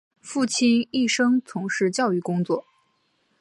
父亲一生从事教育工作。